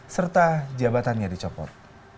serta jabatannya dicopot